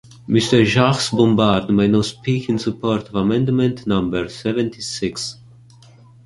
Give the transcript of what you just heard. Mr. Jacques Bompard may now speak in support of Amendment number seventy-six.